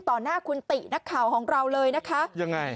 หน้าคุณตินักข่าวของเราเลยนะคะยังไง